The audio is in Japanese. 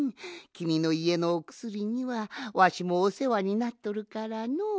きみのいえのおくすりにはわしもおせわになっとるからのう。